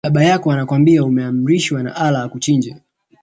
Baba yako anakwambia ameamrishwa na Allah akuchinje